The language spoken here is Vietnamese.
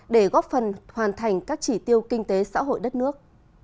để góp phần hoàn thành các chỉ tiêu kinh tế xã hội đất nước